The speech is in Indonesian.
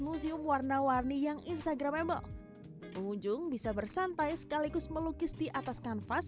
museum warna warni yang instagramable pengunjung bisa bersantai sekaligus melukis di atas kanvas